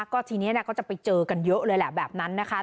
ก็ทีนี้ก็จะไปเจอกันเยอะเลยแหละแบบนั้นนะคะ